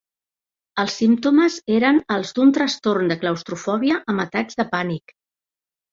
Els símptomes eren els d'un trastorn de claustrofòbia amb atacs de pànic.